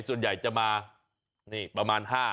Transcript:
ส่วนใหญ่จะมานี่ประมาณ๕